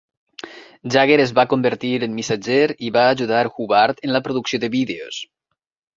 Yager es va convertir en missatger i va ajudar Hubbard en la producció de vídeos.